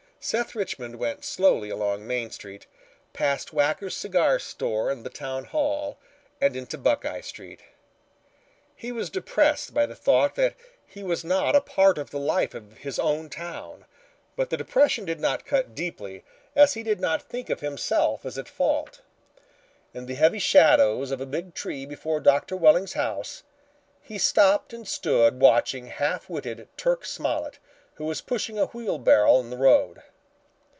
Seth Richmond went slowly along Main Street, past Wacker's Cigar Store and the Town Hall, and into Buckeye Street. He was depressed by the thought that he was not a part of the life in his own town, but the depression did not cut deeply as he did not think of himself as at fault. In the heavy shadows of a big tree before Doctor Welling's house, he stopped and stood watching half witted Turk Smollet, who was pushing a wheelbarrow in the road.